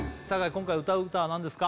今回歌う歌は何ですか？